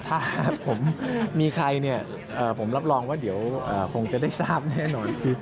ถ้าผมมีใครเนี่ยผมรับรองว่าเดี๋ยวคงจะได้ทราบแน่นอน